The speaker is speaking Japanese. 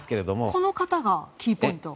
この方がキーポイント？